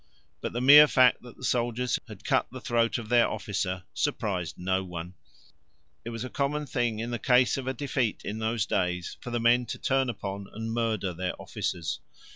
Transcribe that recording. But the mere fact that the soldiers had cut the throat of their officer surprised no one; it was a common thing in the case of a defeat in those days for the men to turn upon and murder their officers.